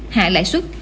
hạ lãi xuất